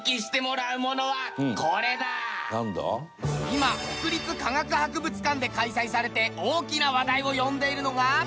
今国立科学博物館で開催されて大きな話題を呼んでいるのが。